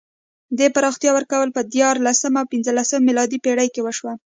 دې پراختیا ورکول په دیارلسمه او پنځلسمه میلادي پېړۍ کې وشوه.